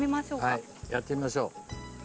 はいやってみましょう。